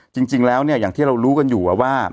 จริงแล้วเนี่ยอย่างที่เรารู้กันอยู่ว่า